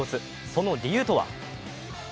その理由とは。